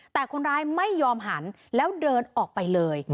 แต่คนร้ายไม่ยอมหันแล้วเดินออกไปเลย